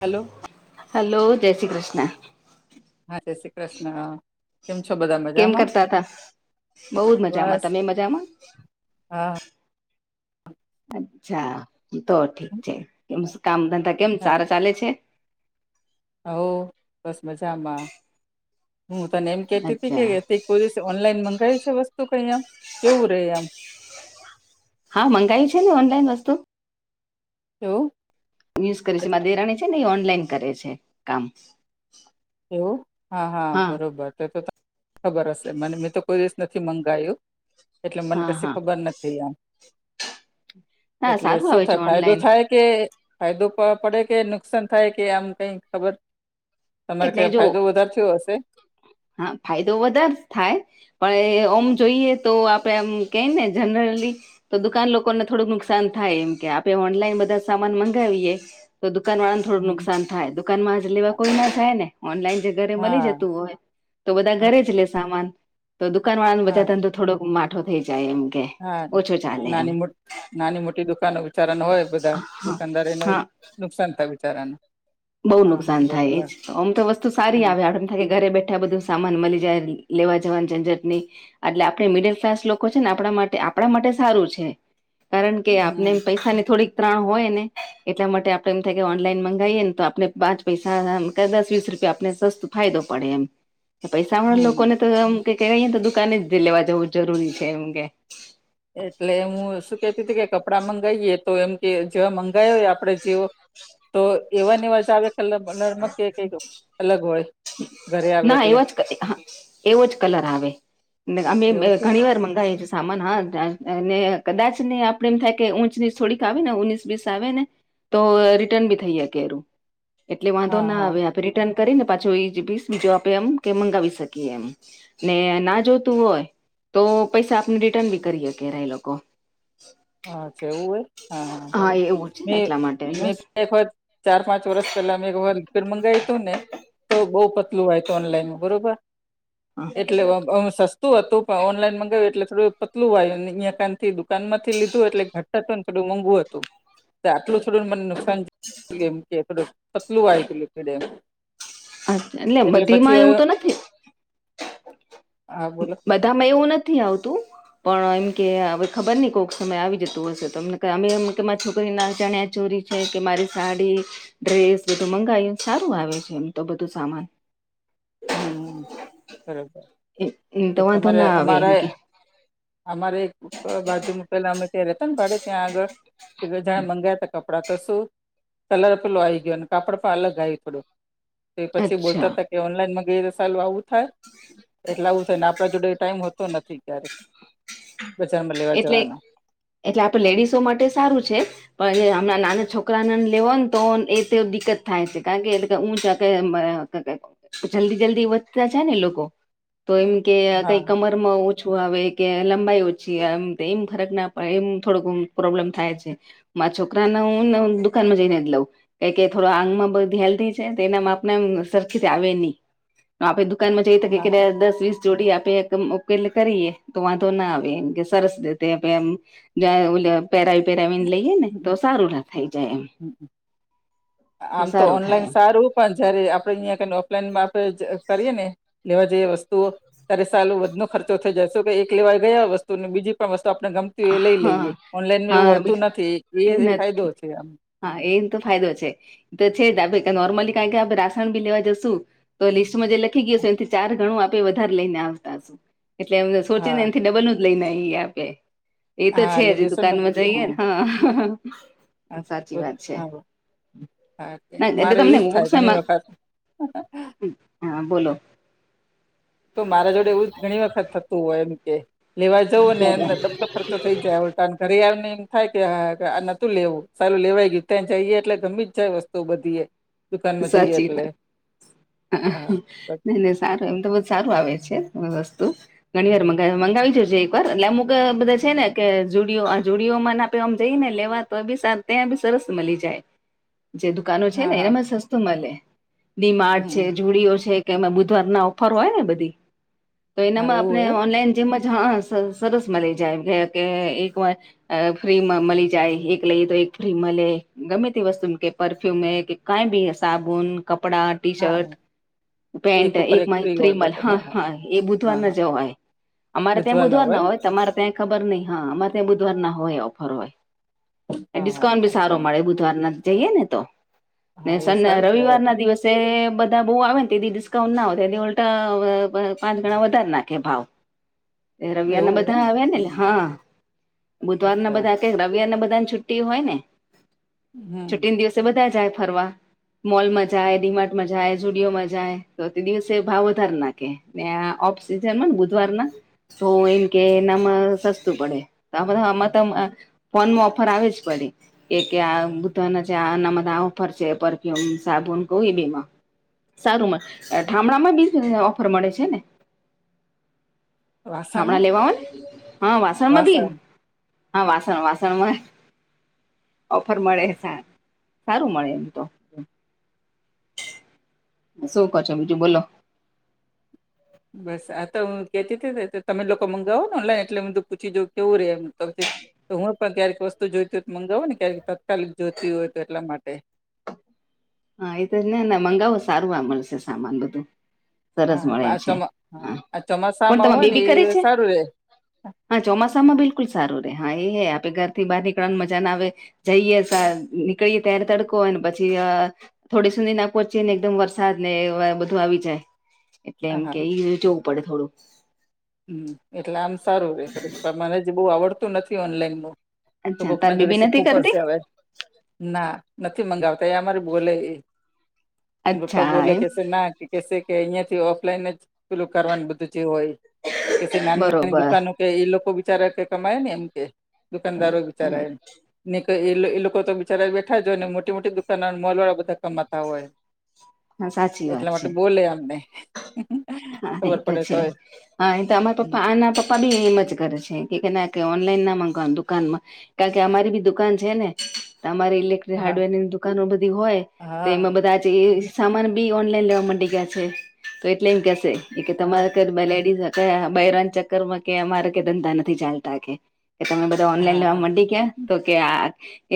Hello hello જય શ્રી કૃષ્ણ. હા જય શ્રી કૃષ્ણ કેમ છો બધા મજા. કેમ કરતા હતા? બોવ જ મજામાં બસ તમે મજામાં. હા. અચ્છા તો ઠીક છે કેમ કામ ધંધા કેમ સારા ચાલે છે? હ બસ મજામાં હું તને એમ કેતી હતી અચ્છા કે કોઈ દિવસ ઓનલાઈન મંગાવી છે વસ્તુ કઈ આમ કેવું રહીએ આમ હા મંગાવી છે ને ઓનલાઈન વસ્તુ શું? યુઝ કરે છે મા દેરાણી છે ને એ ઓનલાઈન કરે છે કામ. એવું હા હા બરોબર તો તો ખબર હશે મને મેંતો કોઈ દિવસ નથી મંગાયું. એટલે મને હા કશી હા ખબર નથી આમ. ના એટલે સારું શું આવે છે થાય ફાયદો ઓનલાઈન થાય કે ફાયદો પડે કે નુકસાન થાય કે આમ કઈ ખબર? તમારે એટલે ક્યાં જો ફાયદો વધારે થયો હશે. હા ફાયદો વધારે થાય. પણ એ ઓમ જોઈએ તો આપડે એમ કહેને જનરલી તો દુકાન લોકોને થોડુંક નુકસાન થાય એમ કે આપે ઓનલાઈન બધા સામાન મંગાવીએ. તો દુકાનવાળાને થોડું હમ. નુકસાન થાય દુકાનમાં આજ લેવા કોઈના થાય ને ઓનલાઈન જે ઘરે મળી હા જતું હોય. તો બધા ઘરેજ લે સામાન તો દુકાન વાળાન હા બધા ધંધો થોડોક માઠો થઈ જાય એમ. કે હા ઓછો ચાલે એમ નાની મોટ નાની મોટી દુકાનો બિચારાનું હોય બધા હા દુકાનદારો એને નુકસાન થાય બિચારાનું બોવ નુકસાન થાય એ જ આમતો વસ્તુ સારી હમ આવે આરામથી ઘરે બેઠા બધું સામાન મળી જાય લેવા જવાન ઝંઝટ નય. એટલે આપણે મિડલ ક્લાસ લોકો છે ને આપણા માટે આપણા માટે સારું છે. કારણ કે આપને હમ પૈસાની થોડીક ત્રાણ હોય અને એટલા માટે આપડે એમ થાય કે ઓનલાઈન મંગાઈએ ને તો આપણે આપને પાંચ પૈસામ કે દસ વીસ રૂપિયા આપને સસ્તું ફાયદો પડે એમ પૈસાવાળા હમ લોકોને તો આમ કેહવાય દુકાનેજ લેવા જવું જરૂરી છે એમ કે એટલે હું શું કેતી તું કે કપડાં મંગાવીએ તો એમ કે જેવા મંગાવો હોય આપડે જેવો તો એવાન એવાં આવે કલર બલરમાં કે કઈ અલગ હોય. ઘરે આવે ના એટલે એવજ એવોજ કલર આવે. અમે એવું છે ઘણી વાર મંગાવે છે. સામાન હા કદાચ નહી આપડે એમ થાય કે ઊંચની થોડીક આવેને ઓણીસ વીસ આવેને તો રિટર્ન બી થઈ શકેરુ એટલે હા વાંધોના હા આવે આપે રિટર્ન કરીને પા જોઈસ બીજું આપે એમકે મંગાવી શકીએ એમને ના જોતું હોય. તો પૈસા આપને રિટર્નબી કરી હકે એ લોકો અચ્છા એવું હોય હા હા બરાબર એવું છે ને મેં એટલા માટે મેં બસ એકવાર ચાર પાંચ વર્ષ પહેલામે એકવાર રિપેર મંગાવી હતુંને તો બઉુ પતલું હોય તો ઓનલાઈનમાં બરોબર હા એટલે અ સસ્ હતું પણ ઓનલાઈન મગાવ્યું એટલે થોડું પતલું આયુ અહીં કાનથી દુકાનમાંથી લીધું. એટલે ઘટ હતુંને થોડું મોંઘું હતું આટલું થોડું [unintelligible] અ એટલે બધીમાં એવુંતો નથી. હા બોલો બધામાં એવું નથી આવતું. પણ એમકે હવે ખબર નહી કોઈક સમય આવી જતું હશે તોમને અમે એમ કે મારા છોકરીના ચણિયાચોળી છે કે મારી સાડી ડ્રેસ બધું મંગાયું સારું આવે છે એમતો બધું સામાન. હમ બરોબર એમ તો વાંધો તમારે ના આવે એમ અમારે કે અમારે બાજુ મૂકેલા અમે ત્યાં રહેતાને ભાડે ત્યાં આગળ કે જા મંગાય હતા કપડાં તો શું કલર પેલો આ આવી ગયો કાપડ પણ અલગ આયુ એકડો પછી અચ્છા બોલતા હતા કે ઓનલાઈન મંગાઈએ તો સાલું આવું થાય એટલે આવું થાય ને આપણા જોડે ટાઈમ હોતો નથી ક્યારે બજારમાં લેવા એટલે જવાનો એટલે આપડે લેડીસો માટે સારું છે. પણ એ હમણાં નાના છોકરાને લેવો ન તો એ દિક્કત થાય છે. કારણ કે એટલે જલ્દી જલ્દી વધતા છે ને લોકો તો એમ કે કઈ હા કમરમાં ઓછું આવે કે લંબાઈ ઓછી એમ ફરક ના પડે એમ થોડોક પ્રોબ્લેમ થાય છે. મા છોકરાને દુકાનમાં જઈને લવું. એ કે થોડ આંગમાં બધી હેલ્ધી છે. એના માપમાં આપણે સરખી જ આવે નહી. આપડે દુકાનમાં જઈએ કે હા કે હા દસ વીસ જોડી આપે ઉકેલ કરીએ તો વધો ના આવે એમ કે સરસ દેતે એમ પેરાવી પેરાવીને લઈ હે ને સારું ના થઈ જાય એમ હ એટલે આમ તો સારું થાય ઓનલાઈન એમ સારું પણ જયારે આપડે અહીંયા કને ઓફલાઈન મા આપે કરીએ ને લેવા જેઈ વસ્તુઓ ત્યારે સાલું વધનો ખર્ચો થઈ જાય શકે. એક લેવાઈ ગયા વસ્તુ ને બીજી પણ વસ્તુ આપણે ગમ એ લઈ લઈએ. ઓનલાઈનમાં એવું હોતું નથી એ એ ફાયદો નથી છે આમ હા એને તો ફાયદો છે. તો છે જ આપે નોર્મલી કારણ કે આપણે રાસણ બી લેવા જશુ તો લિસ્ટમાં જે લખી ગયું હે એથી ચાર ગણું આપે વધારે લઈને આવતા હશું એટલે એમને સોચી ને હા એ થી ડબલ જ લઈને એ આપે એ તો હા છે હજી લેડીસો હ દુકાનમાં જઈએને હ [unintelligible] હા ના એટલે મારે તમને એવું જ થાય ઘણી બોક્સમાં વખત હા બોલો તો મારા જોડે એવું જ ઘણી વખત થતું હોય એમ કે. લેવા જવું ને એ ડબબ થઈ જાય ઘરે આવીને એમ થાય કે આ ન હતું. લેવું સારું લેવાઈ ગયું ત્યાં જઈએ એટલે ગમે જાય વસ્તુ તો બધીએ સાચી વાત હા નહી નહી સારું એમ તો બહુ સારું આવે છે. વસ્તુ ઘણી વાર મંગાવીજજે એક વાર એટલે અમુક બધા છે ને કે જુડિઓ. આ જોુડીઓ મને આપેમ જઈ ને લેવા તો એ બી સારું ત્યાં બી સરસ મળી જાય જે દ દુકાનો છે હા ને હા એનામાં સસ્તું મળે ડીમાટ હમ છે જુડીઓ છે. કે બુધવાર ના ઓફર હોય ને બધી. તો હા એનામાં એવું આપણે હોય એમ ઓનલાઈન જેજ હા સરસ મલી જાય એમ કે એક વાર અ ફ્રી મળી જાય. એક લઈએ તો એક ફ્રી મળે. ગમે તે વસ્તુ કે પરફ્યુમ કે કઈ બી સાબુન, કપડા, ટી શર્ટ હા પેન્ટ એક ઉપર એકમાં એક ફ્રી હોય પ્રિમલ. બધા હા હા એ બુધવાર હા ના હા જવાય અમારે ત્યાં બુધવારના હોય. તમારે ત્યાં ખબર નહી. હા અમારે ત્યાં બુધવારના હોય ઓફર હોય હા હા ડિસ્કાઉન્ટ ભી અચ્છા સારો મળે. બુધવારના જઈએ ને તો હા એ સારું કેવાય રવિવાર તો ના દિવસ જે બધા બહુ આવે ને તે ડિસ્કાઉન્ટ ના હો. એ ઉલ્ટા પાંચ ગણા વધારે નાખે ભાવ રવિવાર એવું ના હોય બધા એમ આવ્યા ને. એટલે હમ હા બુધવાર ના અચ્છા બધા. રવિવારને બધાની છુટ્ટી હોય ને. હમ છુટીને દિવસે બધા જાય ફરવા- મોલ મા જાાય, ડીમાર્ટ મા જાાય, જુડિયો મા જાાય, તો તે દિવસે ભાવ વધાર નાખે ઓફ સિઝનમાં ને બુધવાર ના તો એમ કે એનામાં સસ્તું પડે. આમાં આમાં ત ફોન માં ઓફર આવે જ પડી. કે કે આ બુધવાર ના આનામાં આ ઓફર છે એ કે સાબુન કહ બેમાં સારુંમાં થામણામાં બી ઓફર મળે છે ને. થામણા વાસણમાં લેવાઓ ને હા વાસણમાં બી વાસણ હા વાસણ વાસણમાં ઓફર મળે સ સારું મળે એમ તો શું કો છો બીજું બોલો બસ આ તો હું કહેતી તમે લોકો મંગાવો ઑનલાઇન એટલે હું પૂછી જાઉં કેવું રે એ તો હું પણ ક્યારેક વસ્તુ જોઈતી હોય તો મંગાવું ને ક્યારેક તત્કાલીન જોઈતી હોય તો એટલા માટે હા એ તો જ મંગાવો સારું આ મળશે સામાન બધું. સરસ હા મળે આ છે, ચોમા હ હા આ કોણ ચોમાસામાં તમારે હોય ને બેબી કરે એ છે? સારું રે હા ચોમાસામાં બિલકુલ સારું આપડે ઘરથી બહાર નીકળવાની મજા ના આવે. જઈએ ત્યારે તડકો હોય પછી થોડી સુધી ના પહોંચીને એકદમ વરસાદને બધું આવી જાય. એટલે હા એમ હા કે એ જોવું પડે થોડું. હમ એટલે આમ સારું તમારા જેવું કરું મને જે બહુ આવડતું નથી ઓનલાઈન ન. તો અચ્છા કોક તાર ના જોડે બેબી નથી શીખવું પડશે કરતી હવે ના નથી મંગાવતા એ અમારી બોલે એ. પપ્પા અચ્છા બોલે એમ કે ના કે કે કે થી ઓફલાઈન જ કરવાનું બધું જે હોય. કે નાની નાની બરોબર દુકાનો કે એ લોકો વિચારે કે કમાયને એમ કે દુકાનદારો. [unintelligible] ની એ લોકો તો [unintelligible] બેઠા જ હો ને મોટી મોટી દુકાનો મોલ વાળા બધા કમાતા હોય. હા સાચી વાત એટલા છે માટે બોલે અમને હા એ ખબર પડે છે તો. હા એ તો [unintelligible] પપ્પા બી એમ જ કરે છે કે ના કે ઓનલાઈનના ના માંગવાના દુકાનમાં, કારણ કે અમારી બી દુકાન છે ને. તમારે ઇલેક્ટ્રિક હા હાર્ડવેરની દુકાનો બધી હોય તો હા એમાં બધા આ સામાન ભી ઓનલાઈન લેવા ગયા છે તો એટલે એમ કેશે એ કે હા તમારે બયરાના ચક્કર માં કે અમારે કે ધંધા નથી ચાલતા કેે, તમે ઓનલાઈન હા લેવા હા [unintelligible] ગયા તો કે આ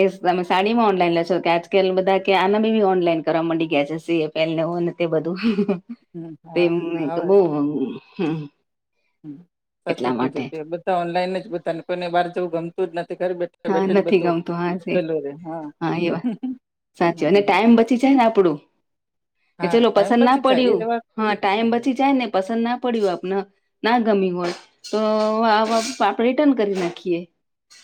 એ તમે સાડીમાં ઓનલાઈન લેશો કે આજકાલ બધા કે આના [unintelligible] ઓનલાઈન કરવા માંડી ગયા છે. હોને તે બધું હમ, હા હા તેમ બસ. બો. સાચું કીધું છે બધા ઓનલાઈન જ બધાને કોઈને બહાર જવું ગમતું જ નથી. હા બેઠે જ નથી બધું, ગમતું હા છે હા એવા [unintelligible] સાચી અને ટાઈમ બચી જાય ને આપડું, એ હા ચલો ટાઈમ પસંદ ના બચી જાય પડ્યું. એ વાત હા ટાઈમ પછી જાય ને પસંદના પડ્યું આપને. ના ગમી હોય, તો આપડે રિટર્ન કરી નાખીએ,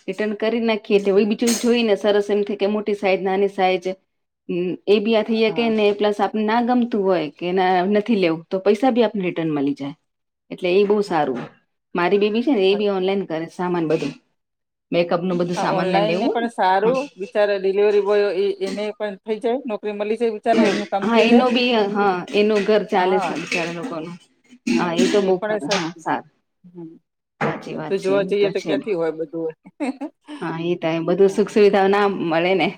[unintelligible] કરી નાખીએ તો હમ, બીજું જોઈને સરસ એમ થાય કે મોટી સાઈઝ નાની સાઈઝ એ બી આ થઈ જ કે હા ને પ્લસ આપ ના ગમતું હોય કે નથી લેવું તો પૈસા ભી આપને રિટર્ન મળી જાય. એટલે એ બહુ હા સારું, મારી બેબી છે ને એ બી ઓનલાઈન કરે સામાન બધું. મેકઅપ નું બધું હા સામાનને ઓનલાઈન ને લેવું પણ સારું વિકલ્પ. ડિલિવરી બોય એને પણ થઈ જાય નોકરી મળી જાય. બિચારા એમનું કામ થઈ જાય હા [unintelligible] હા તો એ બહુ ફર પણ હા [unintelligible] સારું હમ. સાચી વાત બધું છે જોવા એ જઈએ તો છે ક્યાંથી હોય બધું હો. હા એ થાય બધું સુખ સુવિધાઓ ના મળે ને.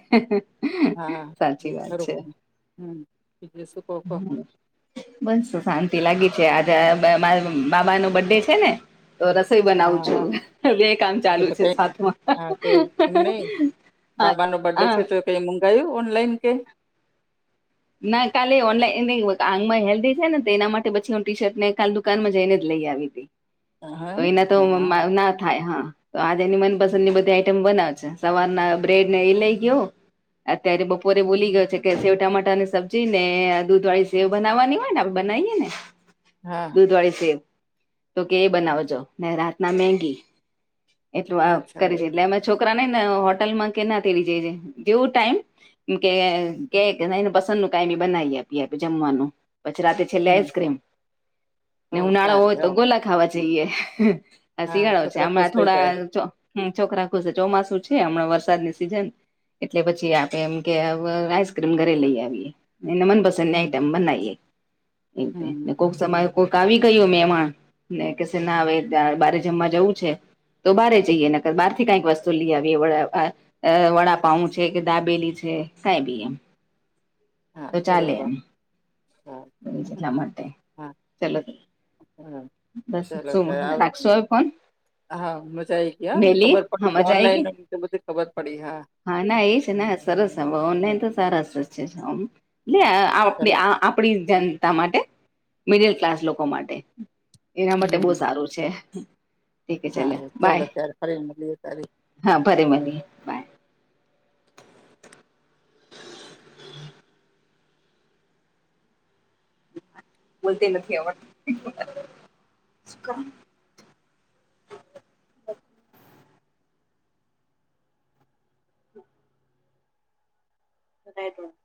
હા.... સાચી વાત છે ખ... હ..... [unintelligible] બસ શાંતિ લાગી છે આજ શાંતિ લાગી છે મામા નો બર્થડે છે ને. તો રસોઈ બનાવું હા છું હા હ બે કામ તો ચાલુ તો છે. કઈ હા તે એમ નહી હા બાબા નો બર્ડે છે હા તો કઈ મંગાયું ઓનલાઈન કે? ના કાલે ઓનલાઈન નઈ હેલ્ધી છે ને તો એના માટે પછી ટી શર્ટ ને કા દુકાનમાં જઈને જ લઈ આવી હતી. હા તો એના તો હા ના થાય હા, તો એની મનપસંદની બધી આ બ છે, સવાર ના બ્રેડને એ લઈ ગયો, અત્યારે બપોરે બોલી ગયો છે. કે સેવ ટમાટર ની સમજી ને દૂધ વાળી સેવ બનાવવાની હોય ને બનાવીએ ને. હા. દૂધ વાળી સેવ તો કે એ બનાવજો ને રાત ના મેગી એટલું આ અચ્છા કરી છે, એવું એટલે અમે છોકરાને ને હોટલમાં કે ના [unintelligible] જેવું ટાઈમ કે કે કે એને પસંદ નું કમી બનાવી આપીએ આપે જમવાનું. પછી રાતે છેલ્લે હમ આઈસક્રીમ ને હો ઉનાળો ચાલે હોય તો હો ગોલા ખાવા જઈએ આ હા શિયાળો છે, છોકરા ખુશ હમણાં થઈ થોડા જાય ચો ચોખરાખું છે, ચોમાસું છે હમણાં વરસાદની સિઝન એટલે પછી આપે એમ કે આઈસક્રીમ ઘરે લઈ આવી ના મન પસંદ ન હમ આટમ પણ હમ હમ. નહી કો તમારે કોઈક આવી કયો મેં એમાં ને કે છે, ના હવે બારે જમવા જવું છે. તો બહારે જઈએ નકર બહારથી કંઈક વસ્તુ લી આવયે [unintelligible] અ વડાપાઉ છે, કે દાબેલી છે, કઈ બી હા તો ચાલે બરોબર. એમ હા હા [inaudible] હા બસ ચાલો શું તો આવ રાખશો હવે ફોન હા મજા આઈ ગયા વેલી ખબર હા પડી મજા આઈ ગઈ ઓનલાઈન બધી ખબર પડી હા. હા ના એ છે, સરસ હ હા ઓનલાઈન તો સારા સરસ છે. હા [unintelligible] આપડી ચાલો આપડી જનતા માટે મિડલ ક્લાસ લોકો માટે એના માટે બો સારું છે. ઠીક છે ચાલે હાવે ચાલો બાય ત્યારે ફરી મળએ તારી હા ફરી મલીએ બોલતે નથી આવડ [inaudible]